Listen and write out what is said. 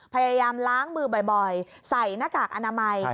พยายามล้างมือบ่อยใส่หน้ากากอนามัย